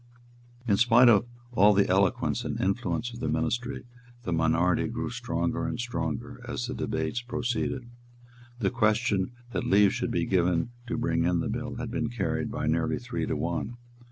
In spite of all the eloquence and influence of the ministry, the minority grew stronger and stronger as the debates proceeded. The question that leave should be given to bring in the bill had been carried by nearly three to one.